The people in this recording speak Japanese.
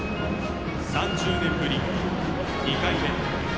３０年ぶり２回目。